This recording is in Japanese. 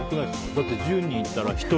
だって１０人いたら１人